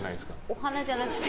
お花じゃなくて。